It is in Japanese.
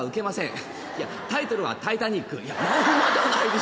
「タイトルは『タイタニック』」「いやまんまじゃないですか」